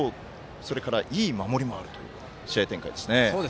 それからいい守りもあるという試合展開ですね。